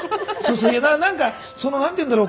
何かその何て言うんだろう